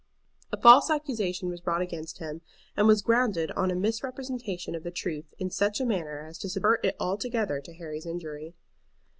A false accusation was brought against him, and was grounded on a misrepresentation of the truth in such a manner as to subvert it altogether to Harry's injury.